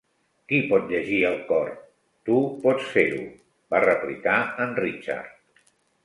"Qui pot llegir el cor?" "Tu pots fer-ho", va replicar en Richard.